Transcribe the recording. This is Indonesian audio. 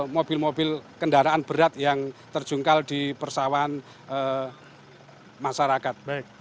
mobil mobil kendaraan berat yang terjungkal di persawahan masyarakat